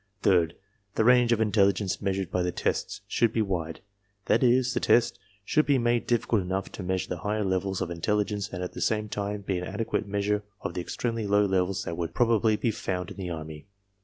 Third, the range of in telligence measured by the tests should be wide; that is, the . test should be made difficult enough to measure the higher levels of intelligence and at the same time be an adequate measure of the extremely low levels that would probably be found in the Army.